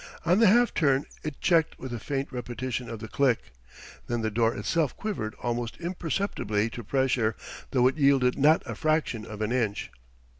On the half turn it checked with a faint repetition of the click. Then the door itself quivered almost imperceptibly to pressure, though it yielded not a fraction of an inch.